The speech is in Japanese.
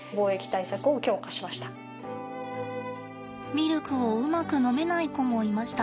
ミルクをうまく飲めない子もいました。